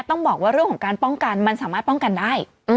ต้องบอกว่าเรื่องของการป้องกันมันสามารถป้องกันได้